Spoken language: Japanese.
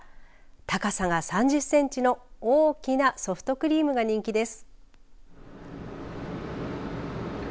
高さが３０センチの大きなソフトクリームが人気です。